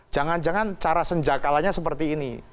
jangan jangan cara senjakalanya seperti ini